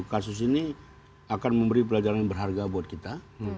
kasus ini akan memberi pelajaran yang berharga buat kita